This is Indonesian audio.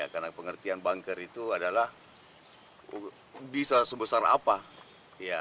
karena pengertian bunker itu adalah bisa sebesar apa